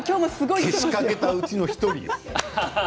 けしかけたうちの１人よ。